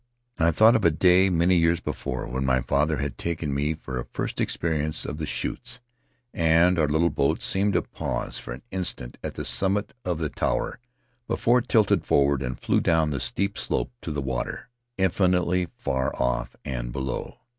I thought of a day, many years before, when my father had taken me for a first experience of the "chutes," and our little boat seemed to pause for an instant at the summit of the tower before it tilted forward and flew down the steep slope to the water — infinitely far off and below.